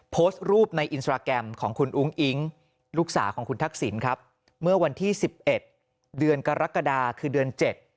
โพสต์รูปในอินสตราแกรมของคุณอุ้งอิ๊งลูกสาวของคุณทักษิณครับเมื่อวันที่๑๑เดือนกรกฎาคือเดือน๗